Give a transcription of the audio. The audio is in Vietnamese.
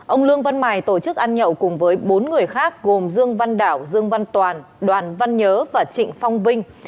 ông lương văn mài tổ chức ăn nhậu cùng với bốn người khác gồm dương văn đảo dương văn toàn đoàn văn nhớ và trịnh phong vinh